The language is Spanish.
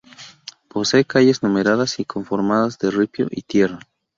Posee calles numeradas y conformadas de ripio y tierra.